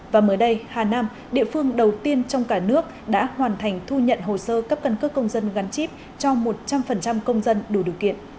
và mới đây hà nam địa phương đầu tiên trong cả nước đã hoàn thành thu nhận hồ sơ cấp căn cước công dân gắn chip cho một trăm linh công dân đủ điều kiện